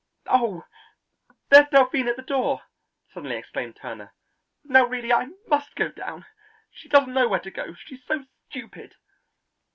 "Oh, there's Delphine at the door!" suddenly exclaimed Turner. "Now, really, I must go down. She doesn't know where to go; she's so stupid!"